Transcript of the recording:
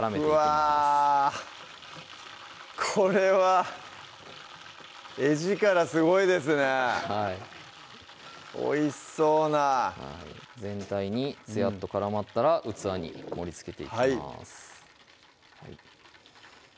うわこれは画力すごいですねはいおいしそうな全体につやっと絡まったら器に盛りつけていきます